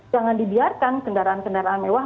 jangan dibiarkan kendaraan kendaraan mewah